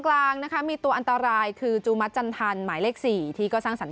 กลางนะคะมีตัวอันตรายคือจูมัจจันทันหมายเลข๔ที่ก็สร้างสรรค